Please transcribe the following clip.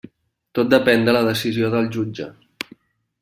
Tot depèn de la decisió del jutge.